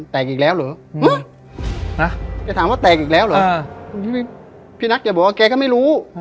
อีกแล้วเหรอแกถามว่าแตกอีกแล้วเหรอพี่นักแกบอกว่าแกก็ไม่รู้